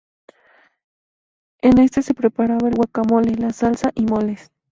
En este se preparaba el guacamole, la salsa y moles.